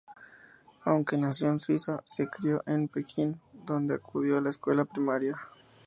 Aunque nació en Suiza, se crio en Pekín, donde acudió a la escuela primaria.